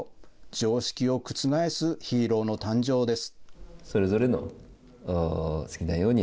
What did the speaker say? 常識を覆すヒーローの誕生です。